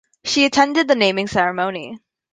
She attended the naming ceremony.